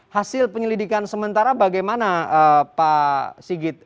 hasil penyelidikan sementara bagaimana pak sigit